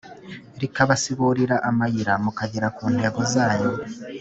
Rikabasiburira amayira mukagera kuntego zanyu